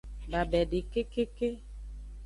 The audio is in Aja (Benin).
Babede kekeke.